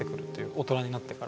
大人になってから。